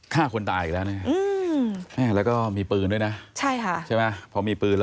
ฆ่าคนตายอีกแล้วนี่